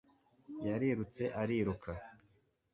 Yarirutse ariruka